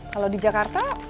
kalau di jakarta